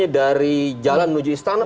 dari jalan menuju istana